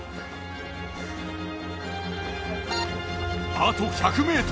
あと１００ｍ。